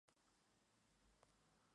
We Are Buono!